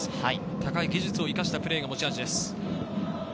高い技術を生かしたプレーが持ち味です。